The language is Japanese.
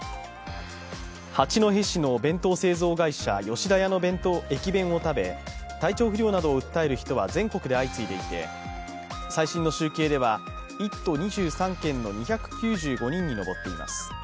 八戸市の弁当製造会社吉田屋の駅弁を食べ体調不良などを訴える人は全国で相次いでいて最新の集計では１都２３県の２９５人に上っています。